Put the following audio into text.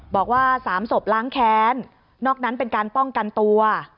บอกว่า๓ศพล้างแค้นนอกนั้นเป็นการป้องกันตัว